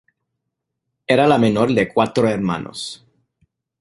Era la menor de cuatro hermanos.